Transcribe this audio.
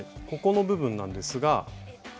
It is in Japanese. ここの部分なんですが。